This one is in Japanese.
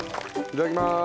いただきます。